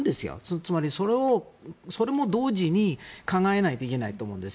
つまり、それも同時に考えないといけないと思うんですよ。